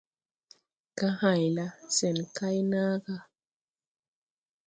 Gahãyla sɛn kay na gà.